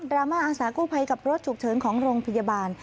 รามาอาสากู้ภัยกับรถฉุกเฉินของโรงพยาบาล